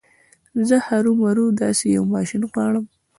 زه هرو مرو داسې يو ماشين غواړم.